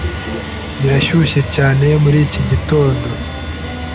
Birashyushye cyane muri iki gitondo.